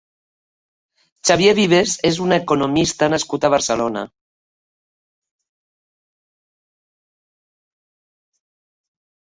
Xavier Vives és un economista nascut a Barcelona.